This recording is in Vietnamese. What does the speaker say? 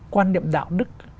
quan điểm đạo đức